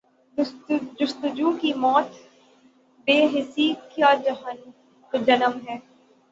جستجو کی موت بے حسی کا جنم ہے۔